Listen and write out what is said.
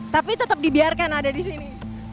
tapi tetap dibiarkan ada di sini